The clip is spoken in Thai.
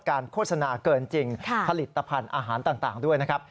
โฆษณาเกินจริงผลิตภัณฑ์อาหารต่างด้วยนะครับ